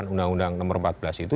undang undang nomor empat belas itu